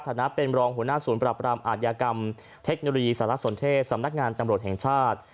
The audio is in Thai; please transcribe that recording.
ฐานะเป็นรองหัวหน้าศูนย์ปรับรามอาทยากรรมเทคโนโลยีสารสนเทศสำนักงานตำรวจแห่งชาติ